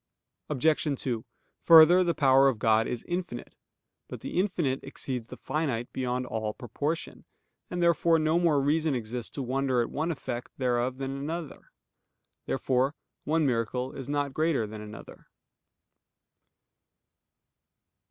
Obj. 2: Further, the power of God is infinite. But the infinite exceeds the finite beyond all proportion; and therefore no more reason exists to wonder at one effect thereof than at another. Therefore one miracle is not greater than another.